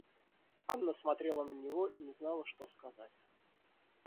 Анна смотрела на него и не знала, что сказать.